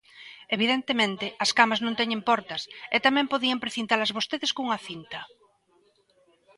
Evidentemente, as camas non teñen portas, e tamén podían precintalas vostedes cunha cinta.